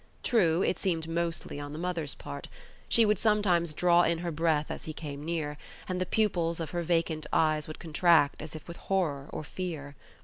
True, it seemed mostly on the mother's part. She would sometimes draw in her breath as he came near, and the pupils of her vacant eyes would contract as if with horror or fear.